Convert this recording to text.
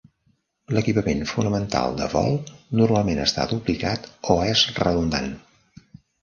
L'equipament fonamental de vol normalment està duplicat o és redundant.